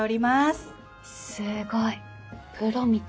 すごいプロみたい。